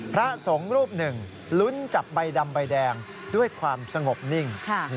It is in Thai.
พระสงฆ์รูปหนึ่งลุ้นจับใบดำใบแดงด้วยความสงบนิ่ง